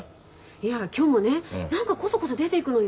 いや今日もね何かコソコソ出ていくのよ。